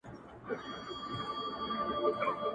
o یو یې سرې سترګي بل یې شین بوټی دبنګ را وړی,